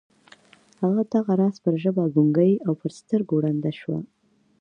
هغه دغه راز پر ژبه ګونګۍ او پر سترګو ړنده شوه